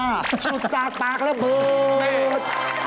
หนูจากปากแล้วบืด